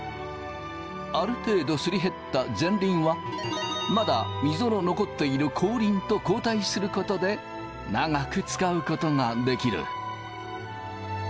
ある程度すり減った前輪はまだミゾの残っている後輪と交代することで長く使うことができる。